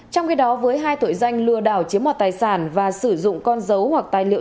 trong khi đó với hai tội danh lừa đảo chiếm hoạt tài sản và sử dụng con dấu hoặc tài liệu